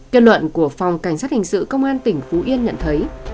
kết luận của phòng cảnh sát hình sự công an tỉnh phú yên nhận thấy